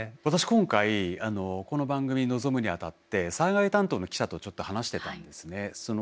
今回この番組に臨むにあたって災害担当の記者とちょっと話してたんですね。